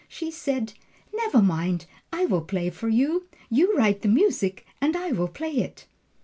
She said, "Never mind, I will play for you you write the music and I will play it!"